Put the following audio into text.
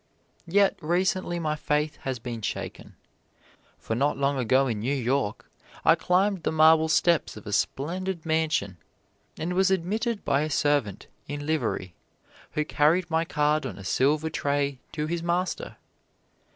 Yet recently my faith has been shaken; for not long ago in New York I climbed the marble steps of a splendid mansion and was admitted by a servant in livery who carried my card on a silver tray to his master.